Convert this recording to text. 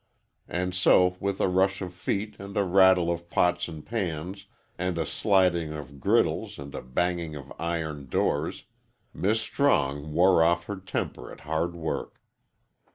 And so with a rush of feet and a rattle of pots and pans and a sliding of griddles and a banging of iron doors "Mis' Strong" wore off her temper at hard work.